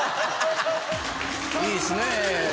いいっすね。